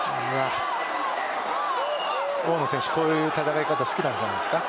大野選手、こういう戦い方好きなんじゃないですか？